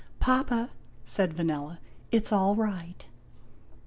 o " Papa," said Vanella, " it 's all right."